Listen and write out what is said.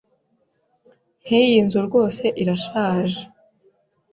Nk’iyi nzu rwose irashaje